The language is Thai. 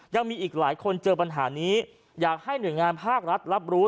ยังมีอีกหลายคนเจอปัญหานี้อยากให้หน่วยงานภาครัฐรับรู้